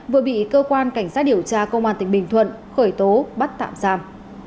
vừa bị cơ quan cảnh sát điều tra công an tỉnh bình thuận khởi tố bắt tạm giam